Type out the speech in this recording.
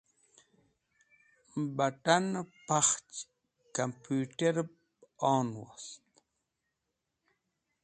Bat̃anẽ pakhch (clik) kampũterẽb on wost.